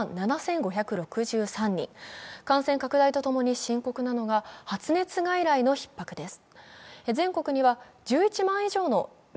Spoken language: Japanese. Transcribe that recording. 感染拡大とともに深刻なのが発熱外来のひっ迫です。